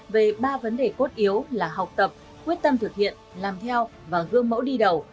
về ba vấn đề cốt yếu là học tập quyết tâm thực hiện làm theo và gương mẫu đi đầu